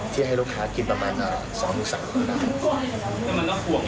ที่ให้ลูกค้ากินประมาณ๒๓ลูกกลาง